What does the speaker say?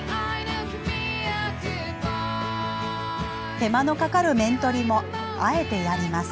手間のかかる面取りもあえてやります。